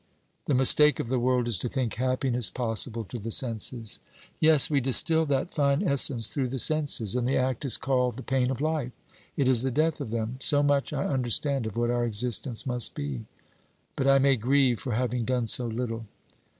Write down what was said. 'The mistake of the world is to think happiness possible to the senses.' 'Yes; we distil that fine essence through the senses; and the act is called the pain of life. It is the death of them. So much I understand of what our existence must be. But I may grieve for having done so little.'